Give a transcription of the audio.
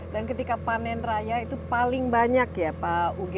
dan ketika panen raya itu paling banyak ya pak uge ya